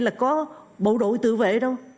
là có bộ đội tự vệ đâu